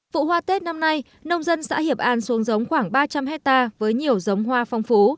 vụ hoa tết năm nay nông dân xã hiệp an xuống giống khoảng ba trăm linh hectare với nhiều giống hoa phong phú